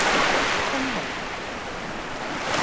分號